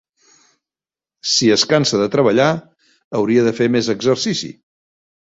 Si es cansa de treballar hauria de fer més exercici.